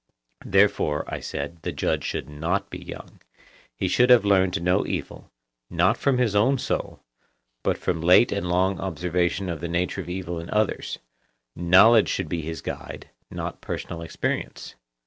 Therefore, I said, the judge should not be young; he should have learned to know evil, not from his own soul, but from late and long observation of the nature of evil in others: knowledge should be his guide, not personal experience.